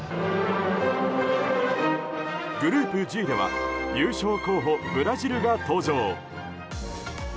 グループＧでは優勝候補ブラジルが登場。